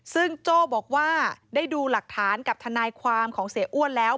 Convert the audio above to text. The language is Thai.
ซึ่งโจ้บอกว่าได้ดูหลักฐานกับทนายความของเสียอ้วนแล้ว